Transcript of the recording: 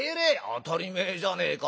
「当たり前じゃねえか。